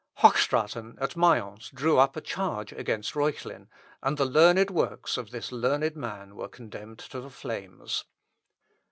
Hochstraten, at Mayence, drew up a charge against Reuchlin, and the learned works of this learned man were condemned to the flames.